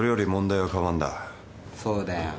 そうだよ。